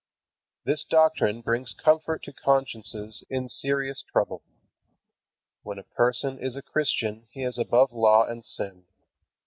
This doctrine brings comfort to consciences in serious trouble. When a person is a Christian he is above law and sin.